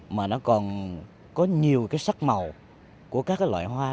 mà nó còn có nhiều cái sắc màu của các loại hoa